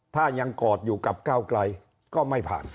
ถ้ายังกอดอยู่กับก้าวไกลก็ไม่ผ่าน